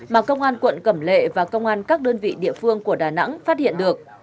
mà công an quận cẩm lệ và công an các đơn vị địa phương của đà nẵng phát hiện được